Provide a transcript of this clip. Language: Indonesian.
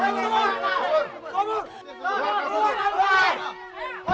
kau diam akan anak kita pak